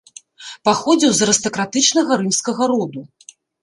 Паходзіў з арыстакратычнага рымскага роду.